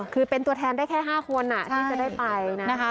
คือเป็นตัวแทนได้แค่๕คนที่จะได้ไปนะคะ